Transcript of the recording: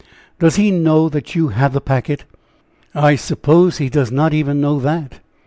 "Does he know that you have the packet?" "I suppose he does not even know that."